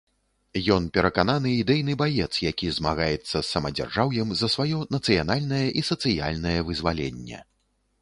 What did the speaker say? Ён перакананы ідэйны баец, які змагаецца з самадзяржаўем за сваё нацыянальнае і сацыяльнае вызваленне.